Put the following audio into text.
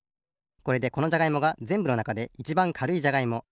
これでこのじゃがいもがぜんぶのなかでいちばんかるいじゃがいも